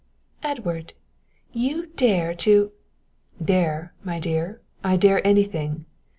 "Edward you dare to " "Dare, my dear, I dare anything.